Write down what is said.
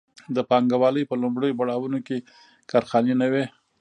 د پانګوالۍ په لومړیو پړاوونو کې کارخانې نه وې.